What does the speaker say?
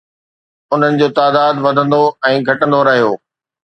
انهن جو تعداد وڌندو ۽ گهٽندو رهيو